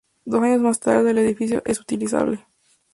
Dos años más tarde, el edificio es utilizable.